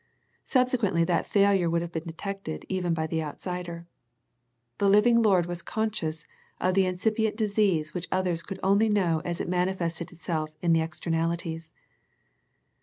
Subsequently that failure would have been detected even by the outsider. The Hving Lord was conscious of the incipient disease which others could only know as it manifested itself in the ex ternalities.